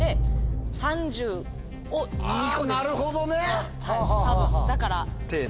あなるほどね！だから。